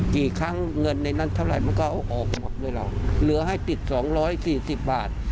กี่ครั้งเงินในนั้นเท่าไรมันก็เอาออกหมดเลยเหลือให้ติด๒๔๐บาท